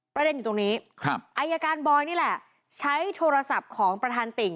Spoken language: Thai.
ประเด็นอยู่ตรงนี้อายการบอยนี่แหละใช้โทรศัพท์ของประธานติ่ง